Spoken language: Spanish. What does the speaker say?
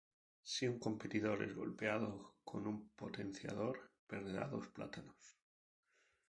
Si un competidor es golpeado con un potenciador, perderá dos plátanos.